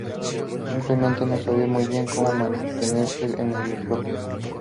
Simplemente no sabía muy bien cómo mantenerse en el micrófono.